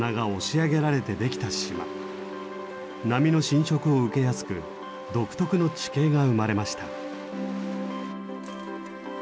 波の浸食を受けやすく独特の地形が生まれました。